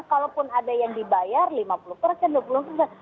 kalaupun ada yang dibayar lima puluh persen dua puluh persen